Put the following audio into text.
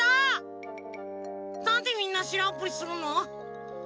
なんでみんなしらんぷりするの？